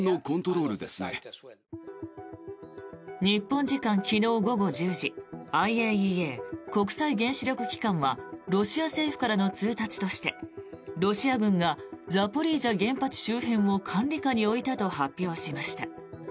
日本時間昨日午後１０時ＩＡＥＡ・国際原子力機関はロシア政府からの通達としてロシア軍がザポリージャ原発周辺を管理下に置いたと発表しました。